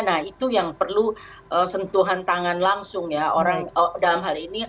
nah itu yang perlu sentuhan tangan langsung ya orang dalam hal ini